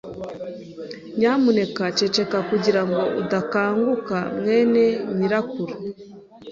Nyamuneka ceceka kugirango udakanguka mwene nyirakuru.